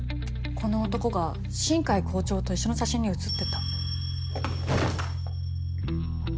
この男が新偕校長と一緒の写真に写ってた。